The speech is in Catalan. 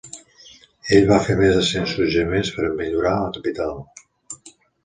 Ell va fer més de cent suggeriments per a millorar la capital.